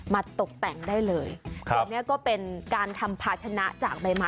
ตกแต่งได้เลยส่วนนี้ก็เป็นการทำภาชนะจากใบไม้